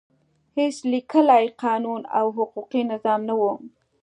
هېڅ لیکلی قانون او حقوقي نظام نه و.